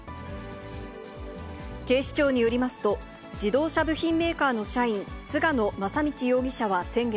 警視庁によりますと、自動車部品メーカーの社員、菅野正道容疑者は先月、